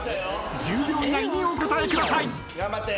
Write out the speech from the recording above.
［１０秒以内にお答えください］頑張って。